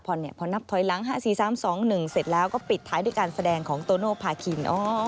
พอนับถอยหลัง๕๔๓๒๑เสร็จแล้วก็ปิดท้ายด้วยการแสดงของโตโนภาคิน